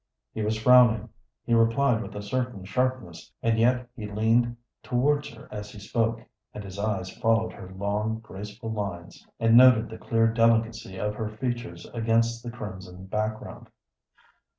He was frowning, he replied with a certain sharpness, and yet he leaned towards her as he spoke, and his eyes followed her long, graceful lines and noted the clear delicacy of her features against the crimson background.